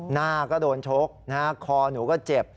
หน้าก็โดนชกนะฮะคอหนูก็เจ็บ